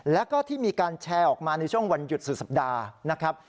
แล้วก็ที่มีการแชร์ออกมาในช่วงวันหยุดสุดสัปดาห์นะครับ